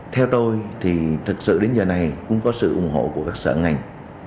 theo tôi thì thực sự đến giờ này cũng có sự ủng hộ của các sở ngành